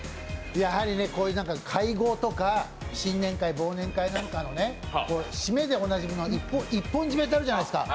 やはりね、こういう会合とか新年会忘年会なんかの締めでおなじみの一本締めってあるじゃじゃないですか。